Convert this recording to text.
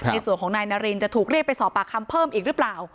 ในส่วนของนายนารินจะถูกเรียกไปสอบปากคำเพิ่มอีกหรือเปล่า